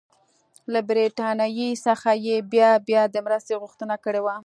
له برټانیې څخه یې بیا بیا د مرستې غوښتنه کړې وه.